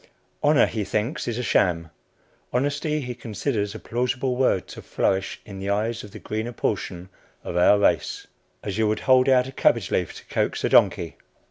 Honor he thinks is a sham. Honesty he considers a plausible word to flourish in the eyes of the greener portion of our race, as you would hold out a cabbage leaf to coax a donkey.